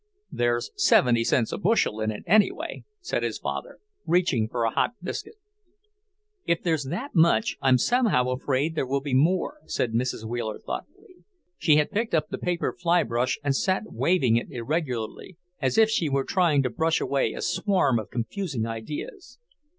"There's seventy cents a bushel in it, anyway," said his father, reaching for a hot biscuit. "If there's that much, I'm somehow afraid there will be more," said Mrs. Wheeler thoughtfully. She had picked up the paper fly brush and sat waving it irregularly, as if she were trying to brush away a swarm of confusing ideas.